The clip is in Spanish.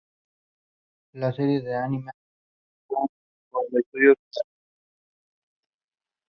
La serie de Anime ha sido adaptada por el estudio Tezuka Productions.